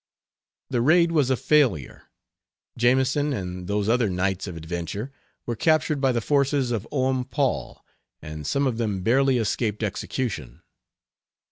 The raid was a failure. Jameson, and those other knights of adventure, were captured by the forces of "Oom Paul," and some of them barely escaped execution.